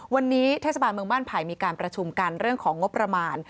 วันนี้เทศบาลเมืองบ้านไผ่มีการประชุมกันเรื่องของงบประมาณ